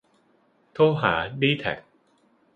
โทรหาดีแทค